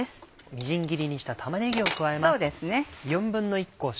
みじん切りにした玉ねぎを加えます。